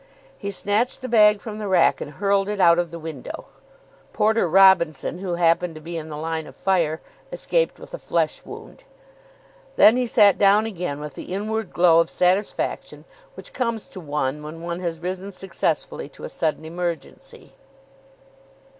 He snatched the bag from the rack and hurled it out of the window. (Porter Robinson, who happened to be in the line of fire, escaped with a flesh wound.) Then he sat down again with the inward glow of satisfaction which comes to one when one has risen successfully to a sudden emergency.